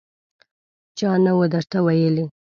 _چا نه و درته ويلي!